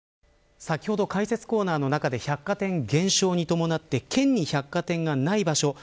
先ほど、解説コーナーの中で百貨店減少に伴って県に百貨店がない場所